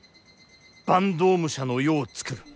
坂東武者の世をつくる。